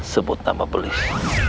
sebut nama belis